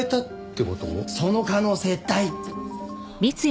その可能性大！